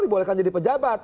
dibolehkan jadi pejabat